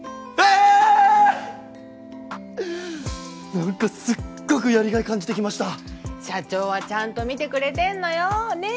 何かすっごくやりがい感じてきました社長はちゃんと見てくれてんのよねえ